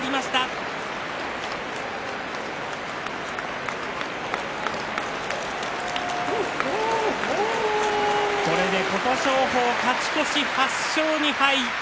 拍手これで琴勝峰、勝ち越し８勝２敗。